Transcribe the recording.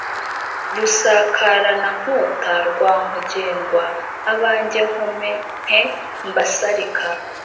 Rusakaranankota rwa Nkungerwa, abanjye nkome nte mbasalika,